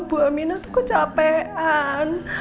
bu aminah tuh kecapean